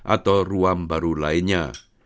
atau ruam baru lainnya